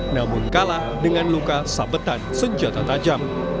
namun kalah dengan luka sabetan senjata tajam